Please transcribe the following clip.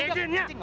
nggak usah bang